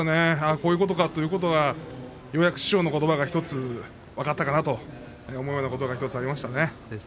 こういうことかということはようやく師匠のことばが１つ分かったかなと思うようなことがありましたね。